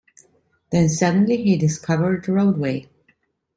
Then suddenly he discovered the roadway!